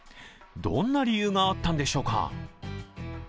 どんな理由があったんでしょうか。